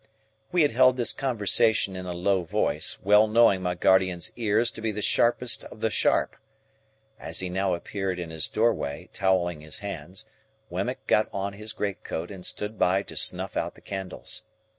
We had held this conversation in a low voice, well knowing my guardian's ears to be the sharpest of the sharp. As he now appeared in his doorway, towelling his hands, Wemmick got on his great coat and stood by to snuff out the candles.